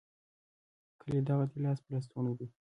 کلی دغه دی؛ لاس په لستوڼي دی.